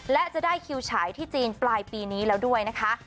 และจะได้คิวฉายที่จีนปลายปีนี้แล้วด้วยนะคะ